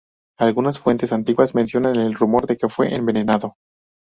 Algunas fuentes antiguas mencionan el rumor de que fue envenenado.